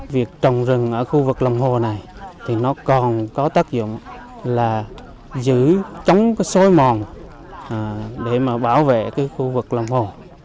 việc trồng rừng ở khu vực lòng hồ này còn có tác dụng là giữ chống sôi mòn để bảo vệ khu vực lòng hồ